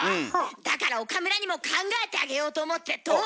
だから岡村にも考えてあげようと思ってどう？